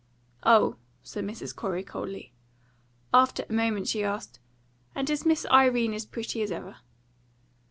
"Oh," said Mrs. Corey coldly. After a moment she asked: "And is Miss Irene as pretty as ever?"